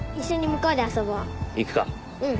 うん。